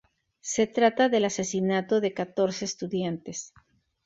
Se trata del asesinato de catorce estudiantes.